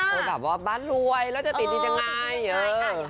ก็แบบว่าบ้านรวยแล้วจะติดดินยังไงเออติดดินยังไงอ่ะ